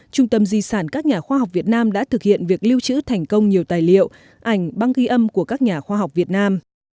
trung tâm di sản các nhà khoa học việt nam đã thực hiện việc lưu trữ thành công nhiều tài liệu ảnh băng ghi âm của các nhà khoa học việt nam